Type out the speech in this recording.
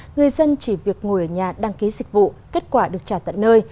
người dân chỉ việc ngồi ở nhà đăng ký dịch vụ kết quả được trả tận nơi